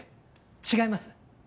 違います。